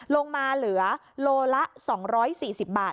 ลงมาเหลือโลละสองร้อยสี่สิบบาท